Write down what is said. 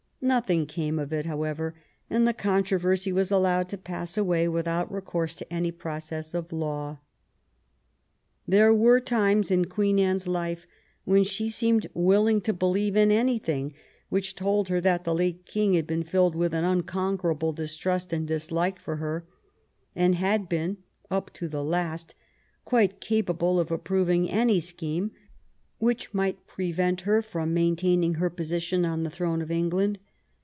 Nothing came of it, how ever, and the controversy was allowed to pass away without recourse to any process of law. There were times in Queen Anne's life when she seemed willing to believe in anything which told her that the late King had been filled with an unconquerable dis trust and dislike of her, and had been, up to the last, quite capable of approving any scheme which might prevent her from maintaining her position on the throne of England.